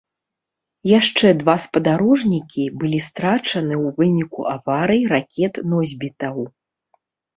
Яшчэ два спадарожнікі былі страчаны ў выніку аварый ракет-носьбітаў.